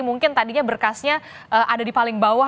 mungkin tadinya berkasnya ada di paling bawah